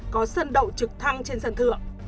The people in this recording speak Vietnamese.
có sân đậu trực thăng trên sân thượng